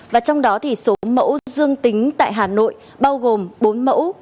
và trong đó thì số mẫu dương tính tại hà nội bao gồm bốn mẫu